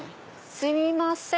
すいません！